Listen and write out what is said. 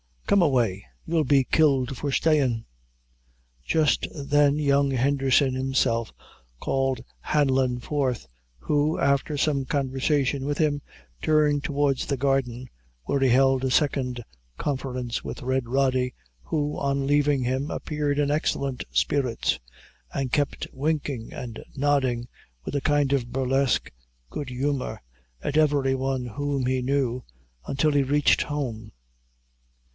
come away, you'll be killed for stayin'." Just then young Henderson himself called Hanlon forth, who, after some conversation with him, turned towards the garden, where he held a second conference with Red Rody, who, on leaving him appeared in excellent spirits, and kept winking and nodding, with a kind of burlesque good humor, at every one whom he knew, until he reached home.